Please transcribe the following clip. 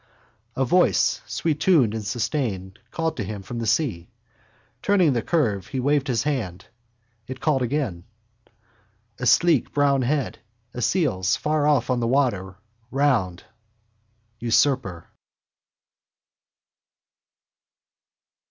A voice, sweettoned and sustained, called to him from the sea. Turning the curve he waved his hand. It called again. A sleek brown head, a seal's, far out on the water, round. Usurper.